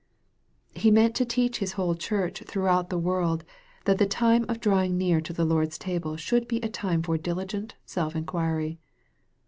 He meant to teach His whole Church throughout the world, that the time of drawing near to the Lord's table should be a time for diligent self inquiry.